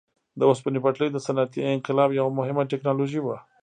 د اوسپنې پټلۍ د صنعتي انقلاب یوه مهمه ټکنالوژي وه.